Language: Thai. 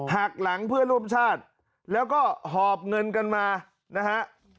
หักหลังเพื่อนร่วมชาติแล้วก็หอบเงินกันมานะฮะ